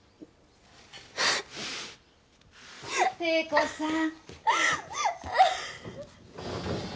汀子さん。